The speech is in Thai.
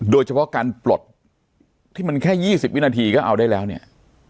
โดยเฉพาะการปลดที่มันแค่๒๐วินาทีก็เอาได้แล้วเนี่ย